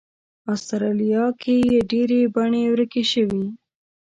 استرالیا کې یې ډېرې بڼې ورکې شوې.